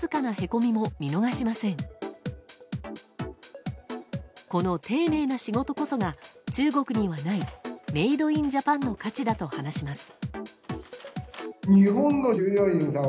この丁寧な仕事こそが中国にはないメイド・イン・ジャパンの価値だと話します。